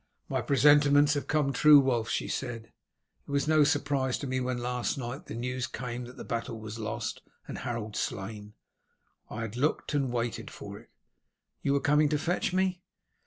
"My presentiments have come true, Wulf," she said. "It was no surprise to me when last night the news came that the battle was lost and Harold slain. I had looked and waited for it. You were coming to fetch me?"